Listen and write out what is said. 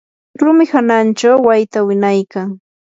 rumi hananchaw wayta winaykan.